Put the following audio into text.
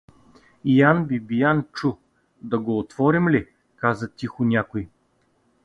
Ян Бибиян чу: — Да го отворим ли? — каза тихо някой.